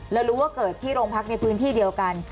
แล้วรู้ว่าเกิดที่โรงพักในพื้นที่เดียวกัน